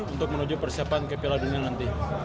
untuk menuju persiapan kepilauan dunia nanti